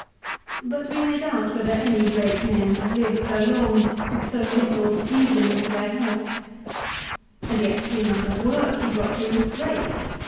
But we may doubt whether any great men have lived so long with so little to tease them as to their health. And yet the amount of work he got through was great.